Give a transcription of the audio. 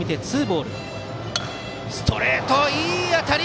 ストレート、いい当たり。